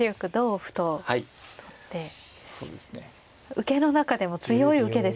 受けの中でも強い受けですよね。